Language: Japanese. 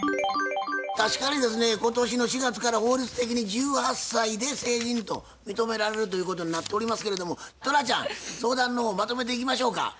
確かにですね今年の４月から法律的に１８歳で成人と認められるということになっておりますけれどもトラちゃん相談の方まとめていきましょうか。